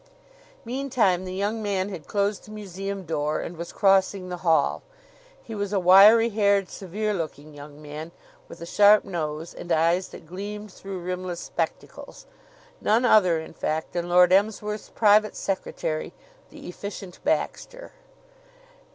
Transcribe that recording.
Meantime the young man had closed the museum door and was crossing the hall. He was a wiry haired, severe looking young man, with a sharp nose and eyes that gleamed through rimless spectacles none other, in fact than Lord Emsworth's private secretary, the Efficient Baxter.